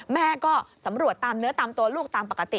แม่ก็สำรวจตามเนื้อตามตัวลูกตามปกติ